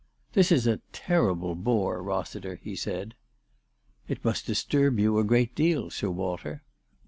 " This is a terrible bore, Rossiter," he said. " It must disturb you a great deal, Sir Walter."